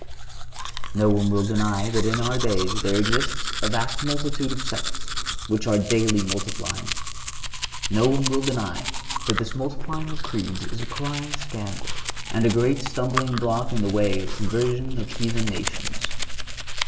No one will deny that in our days there exists a vast multitude of sects, which are daily multiplying. No one will deny(149) that this multiplying of creeds is a crying scandal, and a great stumbling block in the way of the conversion of heathen nations.